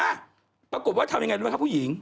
มาปรากฏว่าทำอย่างไรดูไหมครับผู้หญิง